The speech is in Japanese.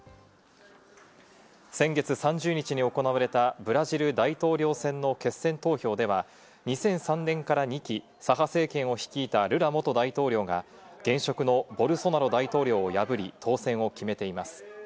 先月３０日に行われたブラジル大統領選の決選投票では、２００３年から２期、左派政権を率いたルラ元大統領が現職のボルソナロ大統領を破り、当選を決めています。